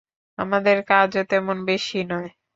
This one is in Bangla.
আমাদের কাজও তেমন বেশি নয়।